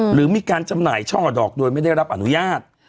หรือมีการจำหน่ายช่อดอกโดยไม่ได้รับอนุญาต